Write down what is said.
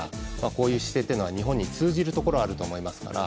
こういう姿勢は日本に通じるところはあると思いますから。